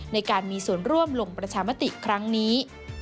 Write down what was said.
ในการมีส่วนร่วมลงประชามติครั้งนี้